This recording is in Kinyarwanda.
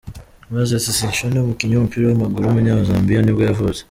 Moses Sichone, umukinnyi w’umupira w’amaguru w’umunyazambiya nibwo yavutse.